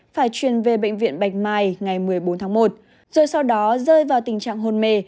phải truyền về bệnh viện bạch mai ngày một mươi bốn tháng một rồi sau đó rơi vào tình trạng hôn mê